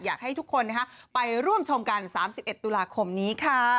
อยากให้ทุกคนไปร่วมชมกัน๓๑ตุลาคมนี้ค่ะ